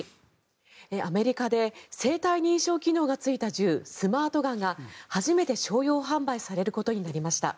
アメリカで生体認証機能がついた銃スマートガンが初めて商用販売されることになりました。